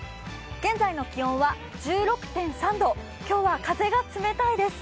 現在の気温は１６．３度、今日は風が冷たいです。